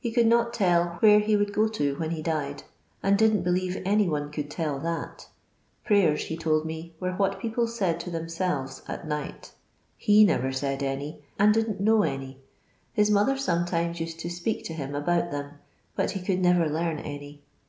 He could not tell where he would go to when he died, and didn't believe any one could tell that. Prayers, he told me, were what people said to themselves at night He never said any, and didn't know any ; his mother sometimes used to speak to him about them, but he could never learn any.